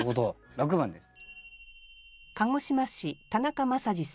６番です。